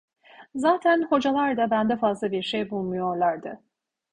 Zaten hocalar da bende fazla bir şey bulmuyorlardı.